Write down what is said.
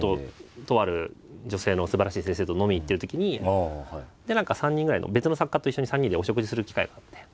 とある女性のすばらしい先生と飲みに行ってるときに何か３人ぐらいの別の作家と一緒に３人でお食事する機会があって。